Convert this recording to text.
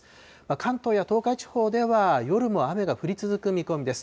関東や東海地方では、夜も雨が降り続く見込みです。